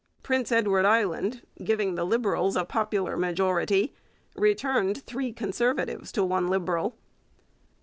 Prince Edward Island, giving the Liberals a popular majority, returned three Conservatives to one Liberal.